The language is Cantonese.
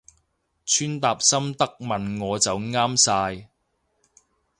穿搭心得問我就啱晒